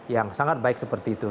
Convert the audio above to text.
yang sangat baik seperti itu